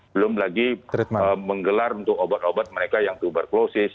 belum lagi menggelar untuk obat obat mereka yang tuberkulosis